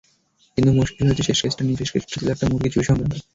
কিন্তু মুশকিল হয়েছে শেষ কেসটা নিয়ে, শেষ কেসটা ছিল একটা মুরগি চুরিসংক্রান্ত।